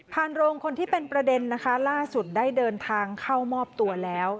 โรงคนที่เป็นประเด็นนะคะล่าสุดได้เดินทางเข้ามอบตัวแล้ว